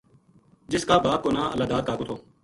جس کا باپ کو نا اللہ داد کاکو تھو